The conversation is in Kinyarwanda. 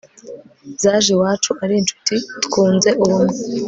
zaje iwacu ari incuti, twunze ubumwe